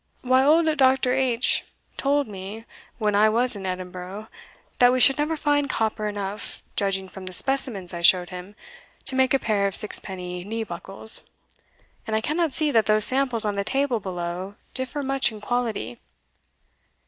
Why, old Dr. H n* told me, when I was in Edinburgh, that we should never find copper enough, judging from the specimens I showed him, to make a pair of sixpenny knee buckles and I cannot see that those samples on the table below differ much in quality."